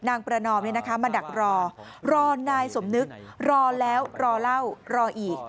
ประนอมมาดักรอรอนายสมนึกรอแล้วรอเล่ารออีก